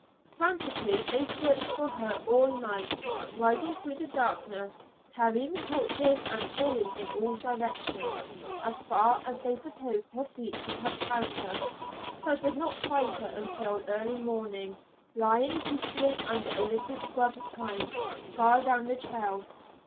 Frantically they searched for her all night, riding through the darkness, carrying torches and calling in all directions, as far as they supposed her feet could have carried her, but did not find her until early morning, lying peacefully under a little scrub pine, far down the trail.